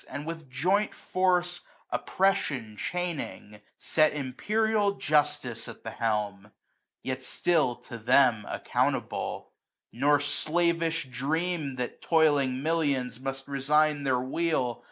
And with joint force Oppression chaining, set Ipiperial Justice at the helm ; yet still To them accountable : nor slavish dream'd 105 That toiling millions must resign their weal.